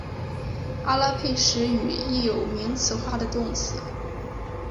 阿拉佩什语亦有名词化的动词。